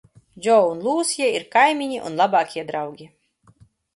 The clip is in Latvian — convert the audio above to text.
Džo un Lūsija ir kaimiņi un labākie draugi.